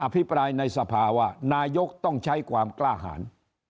พิปรายในสภาว่านายกต้องใช้ความกล้าหาร